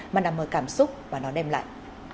mà nằm ở cảm xúc và nó đem lại